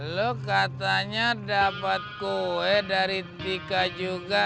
lo katanya dapat kue dari dika juga ya